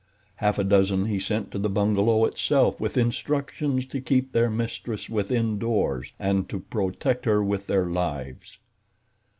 Half a dozen he sent to the bungalow itself with instructions to keep their mistress within doors, and to protect her with their lives.